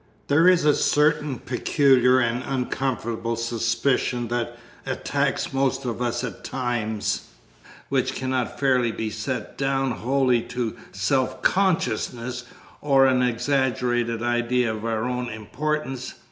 There is a certain peculiar and uncomfortable suspicion that attacks most of us at times, which cannot fairly be set down wholly to self consciousness or an exaggerated idea of our own importance.